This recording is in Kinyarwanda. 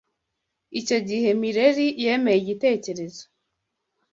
icyo gihe Mileri yemeye igitekerezo